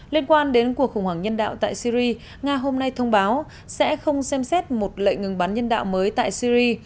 liên quan đến cuộc khủng hoảng nhân đạo tại syri nga hôm nay thông báo sẽ không xem xét một lệnh ngừng bắn nhân đạo mới tại syri